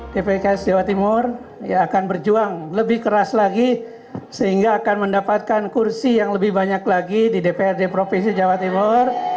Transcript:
dpks jawa timur akan berjuang lebih keras lagi sehingga akan mendapatkan kursi yang lebih banyak lagi di dprd provinsi jawa timur